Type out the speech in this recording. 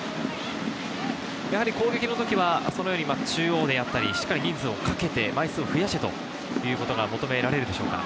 攻撃の時は中央であったり、人数をかけて、枚数を増やしてということが求められるでしょうか。